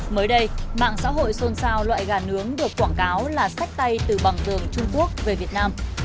mới đây mạng xã hội xôn xao loại gà nướng được quảng cáo là sách tay từ bằng đường trung quốc về việt nam